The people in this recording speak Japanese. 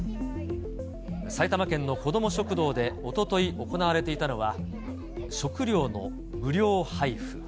埼玉県のこども食堂でおととい行われていたのは、食料の無料配布。